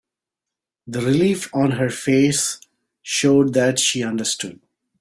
The relief on her face showed that she understood.